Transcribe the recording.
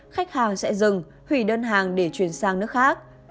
khách hàng sẽ dừng hủy đơn hàng để chuyển sang nước khác